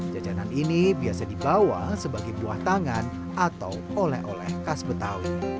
jajanan ini biasa dibawa sebagai buah tangan atau oleh oleh khas betawi